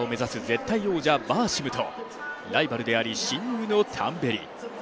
絶対王者・バーシムとライバルであり親友のタンベリ。